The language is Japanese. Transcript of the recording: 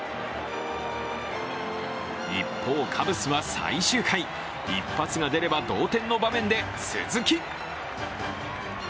一方、カブスは最終回一発が出れば同点の場面で、鈴木。